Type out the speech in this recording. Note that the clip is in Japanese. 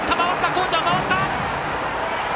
コーチャー、回した！